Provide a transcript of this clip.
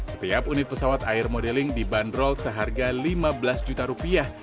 setiap unit pesawat air modeling dibanderol seharga lima belas juta rupiah